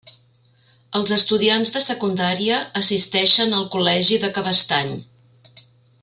Els estudiants de secundària assisteixen al col·legi de Cabestany.